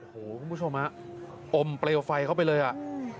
โอ้โหคุณผู้ชมฮะอมเปลวไฟเข้าไปเลยอ่ะ